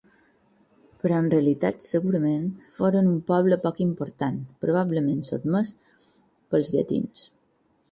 Però en realitat segurament foren un poble poc important probablement sotmès pels llatins.